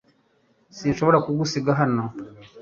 Sinshobora kugusiga hano .